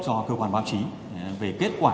cho cơ quan báo chí về kết quả